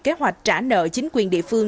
kế hoạch trả nợ chính quyền địa phương